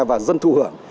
và dân thu hưởng